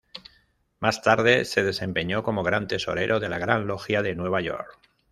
Más tarde se desempeñó como Gran Tesorero de la Gran Logia de Nueva York.